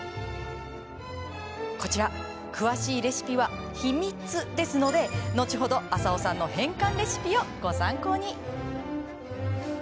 こちら詳しいレシピは秘密ですので後ほど、浅尾さんの変換レシピをご参考に。